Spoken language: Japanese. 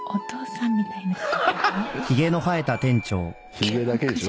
ひげだけでしょ。